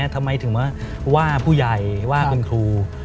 ทำไมถึงมาว่าผู้ใหญ่ว่าคุณครู